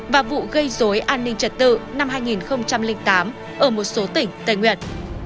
và vụ gây dối an ninh trật tự năm hai nghìn tám ở một số tỉnh tây nguyên